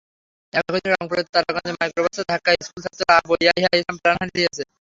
একই দিন রংপুরের তারাগঞ্জে মাইক্রোবাসের ধাক্কায় স্কুলছাত্র আবু ইয়াহিয়া ইসলাম প্রাণ হারিয়েছে।